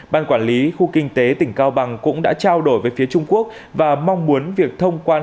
ban quản lý khu kinh tế tỉnh cao bằng cũng đã trao đổi với phía trung quốc và mong muốn việc thông quan